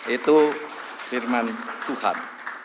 itu firman tuhan